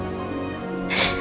saya ingin menjadi orang baik